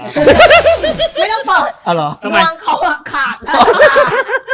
ไม่ต้องเปิด